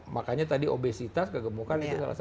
makanya tadi obesitas kegemukan itu salah satu